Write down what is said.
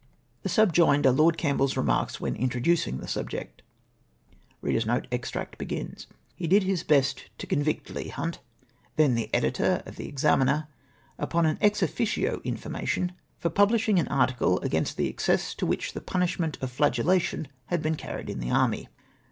The subjoined are Lord CampbeU's remarks when introducing the subject: —•" He did liis Ijest to convict Leigh Hunt, then the editor of the Examiner, upon an ex officio information for pub lishing au article against the excess to which the punishment of flagellation had been carried in the army.